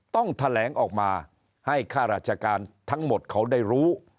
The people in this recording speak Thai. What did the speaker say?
ต้องแถลงออกมาให้ข้าราชการทั้งหมดเขาได้รู้